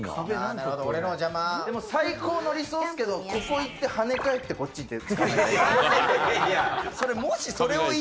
でも、最高の理想ですけど、ここ行ってはね返って、こっち。